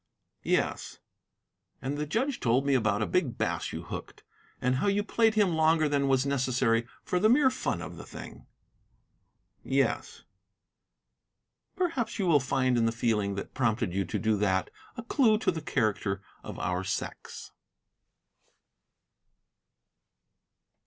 "Yes." "And the judge told me about a big bass you hooked, and how you played him longer than was necessary for the mere fun of the thing." "Yes." "Perhaps you will find in the feeling that prompted you to do that a clue to the character of our sex."